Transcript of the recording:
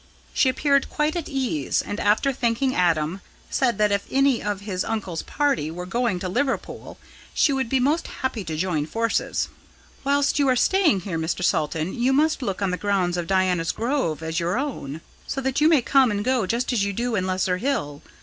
She appeared quite at ease, and, after thanking Adam, said that if any of his uncle's party were going to Liverpool she would be most happy to join forces. "Whilst you are staying here, Mr. Salton, you must look on the grounds of Diana's Grove as your own, so that you may come and go just as you do in Lesser Hill.